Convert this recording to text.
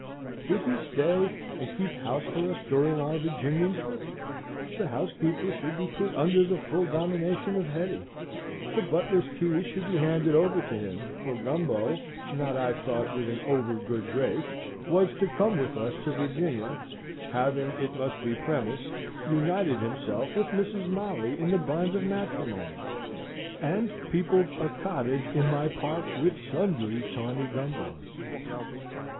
Would he stay and keep house for us during our Virginian trip? The housekeeper should be put under the full domination of Hetty. The butler's keys should be handed over to him; for Gumbo, not I thought with an over good grace, was to come with us to Virginia: having, it must be premised, united himself with Mrs. Molly in the bonds of matrimony, and peopled a cottage in my park with sundry tawny Gumbos.